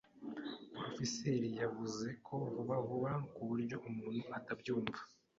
Porofeseri yavuze vuba vuba kuburyo umuntu atabyumva.